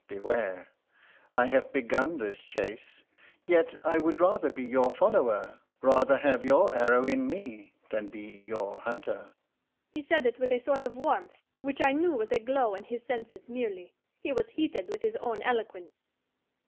Beware: I have begun this chase. Yet I would rather be your follower, rather have your arrow in me, than be your hunter." He said it with a sort of warmth, which I knew was a glow in his senses merely; he was heated with his own eloquence.